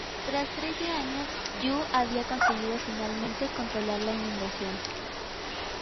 Tras trece años, Yu había conseguido finalmente controlar la inundación.